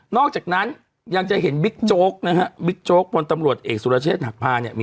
อกจากนั้นยังจะเห็นบิ๊กโจ๊กนะฮะบิ๊กโจ๊กพลตำรวจเอกสุรเชษฐหักพาเนี่ย